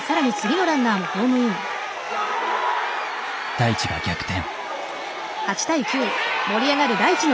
大智が逆転。